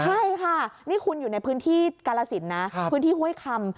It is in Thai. ใช่ค่ะนี่คุณอยู่ในพื้นที่กาลสินนะพื้นที่ห้วยคำ